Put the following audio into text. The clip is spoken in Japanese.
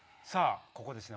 ここですね